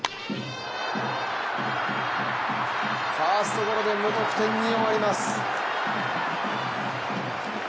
ファーストゴロで無得点に終わります。